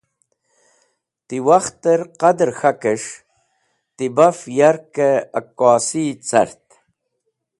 Ti wakhtẽr qadẽr k̃hakẽs̃h ti baf yarkẽ akasi cart.